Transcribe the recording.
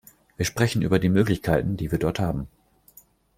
Wir sprechen über die Möglichkeiten, die wir dort haben.